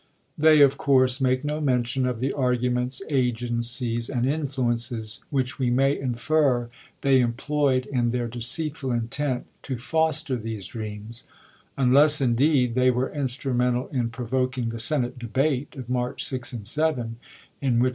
They, of course, make no mention of the arguments, agencies, and influences which we may infer they employed in their deceitful intent to foster these dreams; unless, indeed, they were instrumental in provok ing the Senate debate of March 6 and 7, in which lsei.